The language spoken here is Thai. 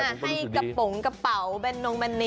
คุณอ่ะให้กระป๋องกระเป๋าแบนโน้งแบนนิ้ม